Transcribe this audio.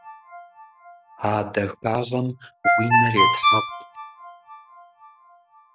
А дахагъэм уи нэр етхьэкъу.